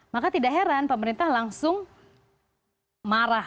maka tidak heran pemerintah langsung marah